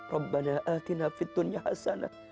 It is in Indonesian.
rabbana atina fiddunya hasanah